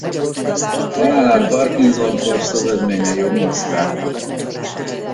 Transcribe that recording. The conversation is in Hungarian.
Halálát Parkinson-kór szövődményei okozták.